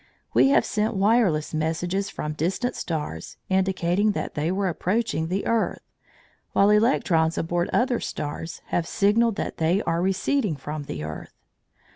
We have sent wireless messages from distant stars, indicating that they were approaching the earth, while electrons aboard other stars have signalled that they are receding from the earth.